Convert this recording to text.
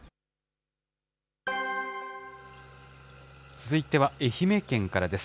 続いては愛媛県からです。